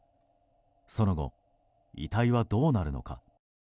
その後、遺体はどうなるのか。